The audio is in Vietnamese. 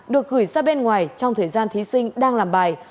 được gửi ra bên ngoài trong thời gian thí sinh đang làm bài